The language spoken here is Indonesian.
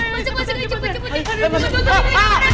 masuk masuk masuk